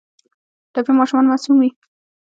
ټپي ماشومان معصوم وي.